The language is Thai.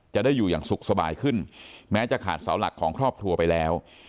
จะได้อยู่อย่างสุขสบายขึ้นแม้จะขาดเสาหลักของครอบครัวไปแล้ว